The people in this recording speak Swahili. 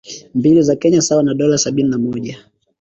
mbili za Kenya sawa na dola sabini na moja